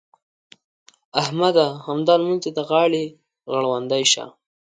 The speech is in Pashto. احمده! همدا لمونځ دې د غاړې غړوندی شه.